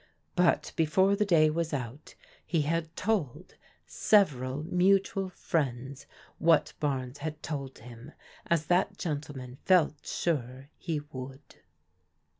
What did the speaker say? But be fore the day was out he had told several mutual friends what Barnes had told him, as that gentleman felt sure he would.